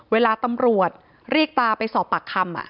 เวลาตำรวจเรียกตาไปสอบปากคำ